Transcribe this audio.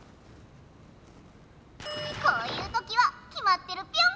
こういうときはきまってるピョン！」。